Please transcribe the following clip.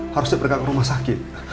harusnya berkak rumah sakit